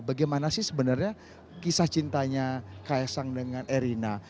bagaimana sih sebenarnya kisah cintanya ks sang dengan erina